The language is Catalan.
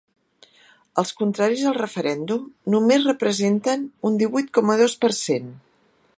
Els contraris al referèndum només representen un divuit coma dos per cent.